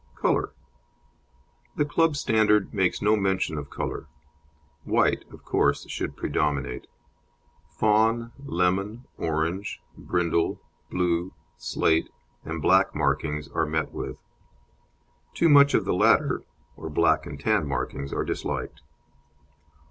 COLOUR The Club standard makes no mention of colour. White, of course, should predominate; fawn, lemon, orange, brindle, blue, slate and black markings are met with. Too much of the latter, or black and tan markings, are disliked.